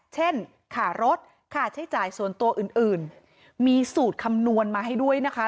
ค่ารถค่าใช้จ่ายส่วนตัวอื่นมีสูตรคำนวณมาให้ด้วยนะคะ